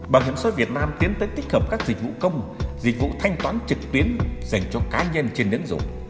bảo hiểm xã hội việt nam tiến tới tích hợp các dịch vụ công dịch vụ thanh toán trực tuyến dành cho cá nhân trên ứng dụng